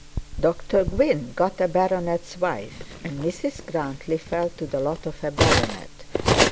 Dr Gwynne got a baronet's wife, and Mrs Grantly fell to the lot of a baronet.